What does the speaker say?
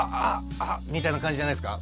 「あっ！」みたいな感じじゃないですか？